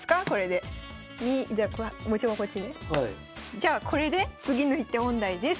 じゃあこれで次の一手問題です。